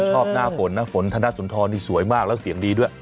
หน้าฝนนะฝนธนสุนทรนี่สวยมากแล้วเสียงดีด้วย